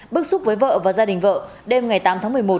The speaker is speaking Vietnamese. bức xúc với vợ và gia đình vợ đêm ngày tám tháng một mươi một